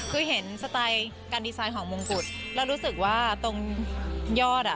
ขึ้นเห็นสไตล์การดีไซน์ของมงกุฎ